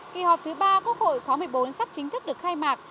kỳ họp thứ ba quốc hội khóa một mươi bốn sắp chính thức được khai mạc